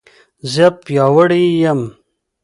زه پیاوړې یم